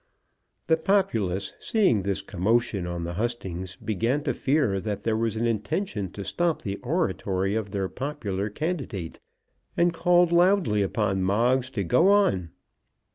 The populace, seeing this commotion on the hustings, began to fear that there was an intention to stop the oratory of their popular candidate, and called loudly upon Moggs to go on.